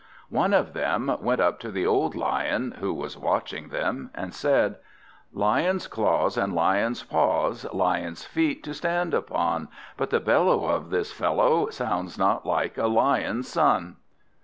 One of them went up to the old Lion, who was watching them, and said: "Lion's claws and lion's paws Lion's feet to stand upon; But the bellow of this fellow Sounds not like a lion's son!"